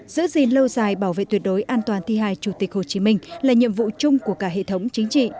giữ gìn lâu dài bảo vệ tuyệt đối an toàn thi hài chủ tịch hồ chí minh là nhiệm vụ chung của cả hệ thống chính trị